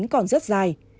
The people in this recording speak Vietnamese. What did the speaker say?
còn rất dài